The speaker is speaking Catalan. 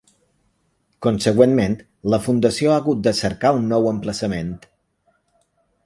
Consegüentment, la fundació ha hagut de cercar un nou emplaçament.